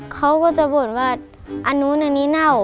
เขาก็จะบ่นว่าอันนู้นอันนี้เน่า